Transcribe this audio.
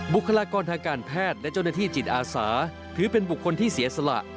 บุคลากรทางการแพทย์และเจ้าหน้าที่จิตอาสาถือเป็นบุคคลที่เสียสละ